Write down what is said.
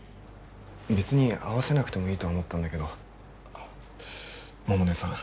別に合わせなくてもいいとは思ったんだけど百音さん。